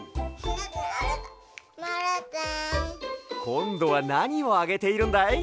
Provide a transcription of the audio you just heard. こんどはなにをあげているんだい？